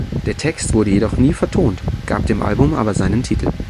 Der Text wurde jedoch nie vertont, gab dem Album aber seinen Titel.